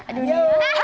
aduh ini ya